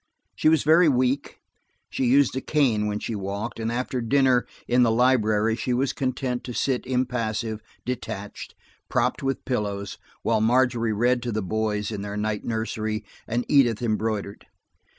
She was very weak; she used a cane when she walked, and after dinner, in the library, she was content to sit impassive, detached, propped with cushions, while Margery read to the boys in their night nursery and Edith embroidered.